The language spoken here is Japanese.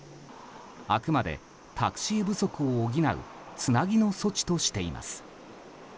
あくまでタクシー不足を補うつなぎの措置としています。